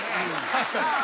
確かに。